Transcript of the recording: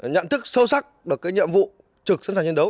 nhận thức sâu sắc được cái nhiệm vụ trực sẵn sàng chiến đấu